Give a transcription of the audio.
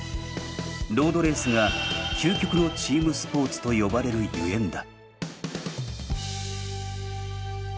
ロードレースが「究極のチームスポーツ」と呼ばれるゆえんだ。